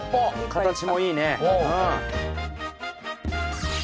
形もいいね。